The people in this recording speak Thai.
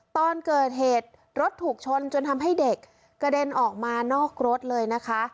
ตอนเกิดเหตุรถถูกชนจนทำให้เด็กกระเด็นออกมานอกรถเลยนะคะ